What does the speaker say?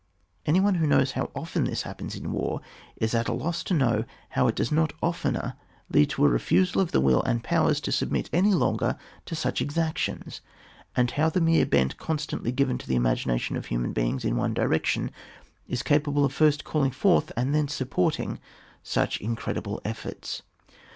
Any one who knows how often this happens in war, is ^at a loss to know how it does not oftener lead to a refusal of the will and powers to submit any longer to such exactions, and how the mere bent constantly given to the imagi nation of human beings in one direction, is capable of first calling forth, and then supporting such incredible efforts.